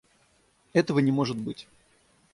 Это не может быть.